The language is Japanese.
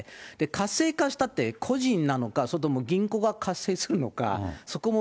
活性化したって、個人なのか、それとも銀行が活性するのか、